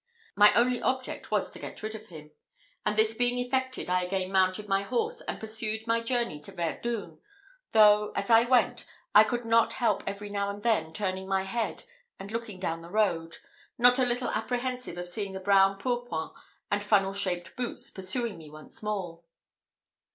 My only object was to get rid of him; and this being effected, I again mounted my horse, and pursued my journey to Verdun, though, as I went, I could not help every now and then turning my head and looking down the road, not a little apprehensive of seeing the brown pourpoint and funnel shaped boots pursuing me once more.